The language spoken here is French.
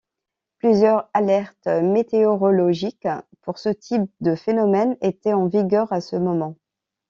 Plusieurs alertes météorologiques pour ce type de phénomène étaient en vigueur à ce moment.